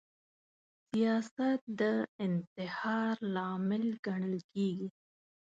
سیاست د انتحار لامل ګڼل کیږي